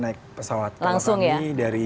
naik pesawat kalau kami dari